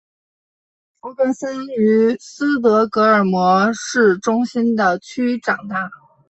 弗格森于斯德哥尔摩市中心的区长大。